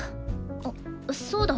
あっそうだ。